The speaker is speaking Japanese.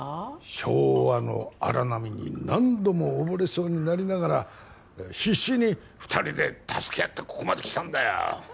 昭和の荒波に何度も溺れそうになりながら必死に二人で助け合ってここまで来たんだよ